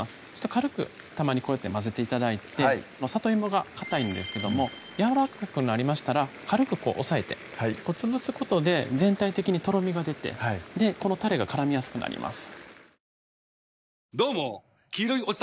軽くたまにこうやって混ぜて頂いてさといもがかたいんですけどもやわらかくなりましたら軽く押さえて潰すことで全体的にとろみが出てこのたれが絡みやすくなります